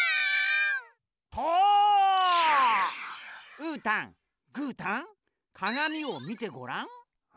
うーたんぐーたんかがみをみてごらん。